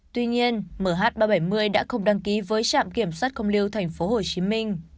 tuy nhiên mh ba trăm bảy mươi đã không đăng ký với trạm kiểm soát không lưu tp hcm